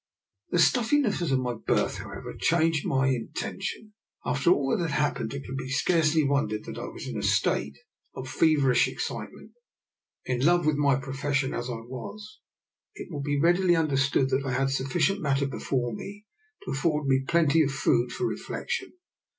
The stuffi ness of my berth, however, changed my in tention. After all that had transpired, it can scarcely be wondered at that I was in a state 96 DR. NIKOLA'S EXPERIMENT. of feverish excitement. In love with my pro fession as I was, it will be readily understood that I had sufficient matter before me to af ford me plenty of food for reflection.